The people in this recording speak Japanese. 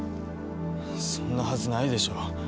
そんなはずないでしょう。